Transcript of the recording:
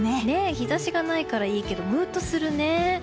日差しがないからいいけどもわっとするね。